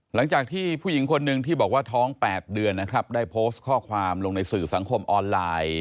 หลังจากที่ผู้หญิงคนหนึ่งที่บอกว่าท้อง๘เดือนนะครับได้โพสต์ข้อความลงในสื่อสังคมออนไลน์